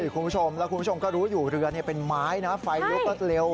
คุณผู้ชมก็รู้อยู่เรือเป็นไม้นะฮะไฟลุกเร็ว